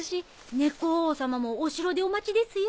猫王様もお城でお待ちですよ。